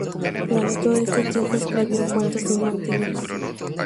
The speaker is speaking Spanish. Durante todo este tiempo escribió cuentos infantiles.